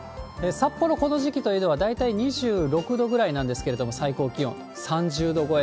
札幌、この時期というのは、大体２６度ぐらいなんですけれども、最高気温３０度超え。